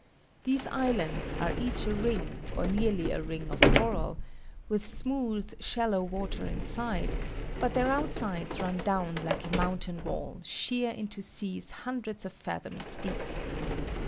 These islands are each a ring, or nearly a ring of coral, with smooth shallow water inside: but their outsides run down, like a mountain wall, sheer into seas hundreds of fathoms deep.